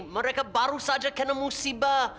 mereka baru saja kena musibah